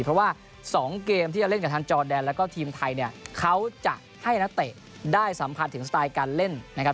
เพราะว่า๒เกมที่จะเล่นกับทางจอแดนแล้วก็ทีมไทยเนี่ยเขาจะให้นักเตะได้สัมผัสถึงสไตล์การเล่นนะครับ